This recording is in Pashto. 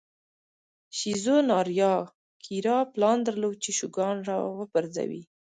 شیزو ناریاکیرا پلان درلود چې شوګان را وپرځوي.